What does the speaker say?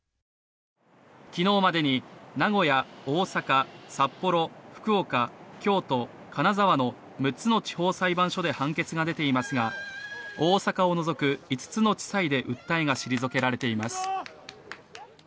昨日までに名古屋、大阪、札幌、福岡京都、金沢の６つの地方裁判所で判決が出ていますが、大阪を除く５つの地裁で訴えが退けられています。